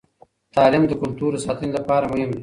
تعلیم د کلتور د ساتنې لپاره مهم دی.